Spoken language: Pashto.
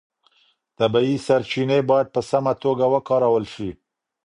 طبیعي سرچینې باید په سمه توګه وکارول شي.